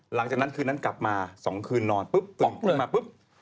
หลังจากนั้นคืนนั้นกลับมา๒คืนนอนปุ๊บตื่นขึ้นมาปุ๊บ